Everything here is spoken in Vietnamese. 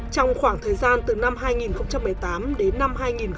trong khoảng thời gian từ năm hai nghìn một mươi tám đến năm hai nghìn hai mươi